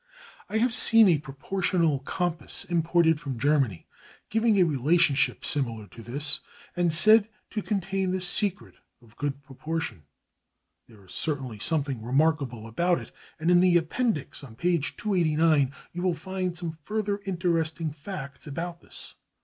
I have seen a proportional compass, imported from Germany, giving a relationship similar to this and said to contain the secret of good proportion. There is certainly something remarkable about it, and in the Appendix, page 289 [Transcribers Note: APPENDIX], you will find some further interesting facts about this.